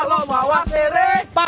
saat ini siapa